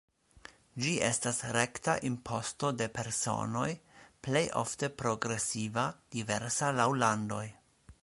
Ĝi estas rekta imposto de personoj, plej ofte progresiva, diversa laŭ landoj.